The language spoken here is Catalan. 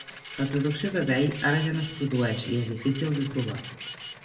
La traducció de Wei ara ja no es produeix i és difícil de trobar.